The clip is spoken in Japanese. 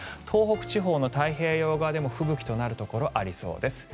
東北地方の太平洋側でも吹雪となるところがありそうです。